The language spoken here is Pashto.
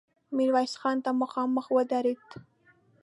ميرويس خان ته مخامخ ودرېد.